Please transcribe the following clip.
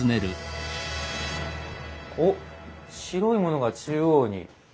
おっ白いものが中央に。